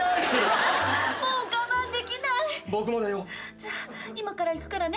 じゃあ今から行くからね。